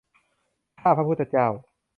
ข้าพระพุทธเจ้า